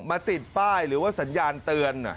ติดป้ายหรือว่าสัญญาณเตือน